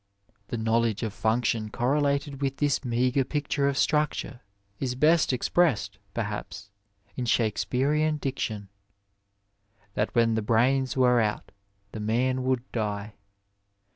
The knowledge of function correlated with this meagre picture of structure is best expressed, perhaps, in Shakespearian diction, ^' that when the brains were out, the man would die."